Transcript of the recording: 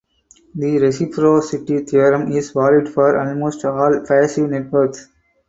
The reciprocity theorem is valid for almost all passive networks.